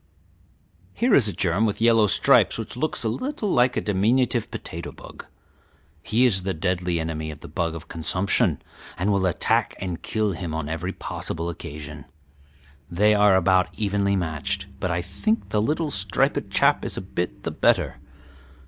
"Here is a germ with yellow stripes which looks a little like a diminutive potato bug. He is the deadly enemy of the bug of consumption, and will attack and kill him on every possible occasion. They are about evenly matched, but I think the little striped chap is a bit the better.